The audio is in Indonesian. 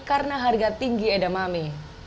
karena harga tinggi edamame